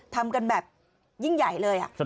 ทำกันแบบยิ่งใหญ่เลย